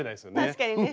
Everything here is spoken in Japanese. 確かにね。